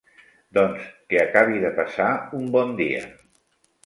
Doncs que acabi de passar un bon dia.